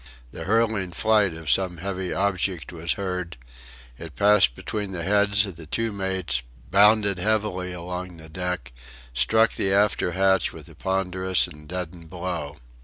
The hurtling flight of some heavy object was heard; it passed between the heads of the two mates, bounded heavily along the deck, struck the after hatch with a ponderous and deadened blow.